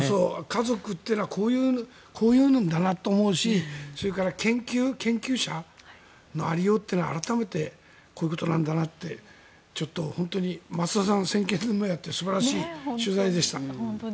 家族というのはこういうのだなと思うしそれから研究、研究者の有り様というのは改めてこういうことなんだなって増田さん先見の明があって素晴らしい取材でした。